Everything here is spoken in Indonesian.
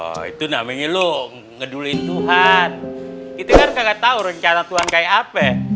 masya allah itu namengi lu ngedulin tuhan itu kan kagak tahu rencana tuhan kayak apa